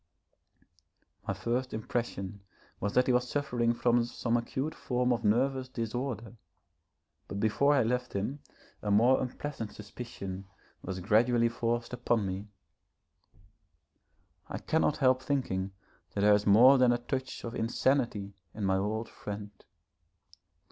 My first impression was that he was suffering from some acute form of nervous disorder, but before I left him a more unpleasant suspicion was gradually forced upon me. I cannot help thinking that there is more than a touch of insanity in my old friend.